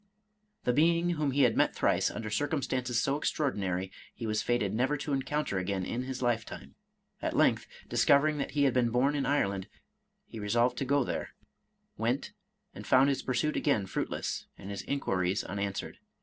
The being whom he had met thrice, under circumstances so extraor dinary, he was fated never to encounter again in his lifetime. At length, discovering that he had been bom in Ireland, he resolved to go there, — ^went, and found his pursuit again fruitless, and his inquiries unanswered.